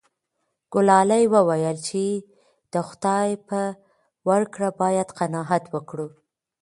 ګلالۍ وویل چې د خدای په ورکړه باید قناعت وکړو.